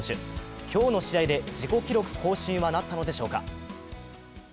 今日の試合で自己記録更新はなったのでしょうか。